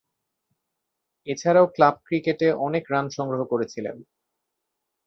এছাড়াও ক্লাব ক্রিকেটে অনেক রান সংগ্রহ করেছিলেন।